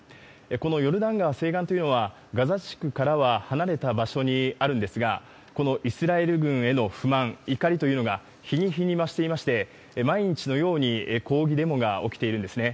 このヨルダン川西岸というのは、ガザ地区からは離れた場所にあるんですが、このイスラエル軍への不満、怒りというのが日に日に増していまして、毎日のように抗議デモが起きているんですね。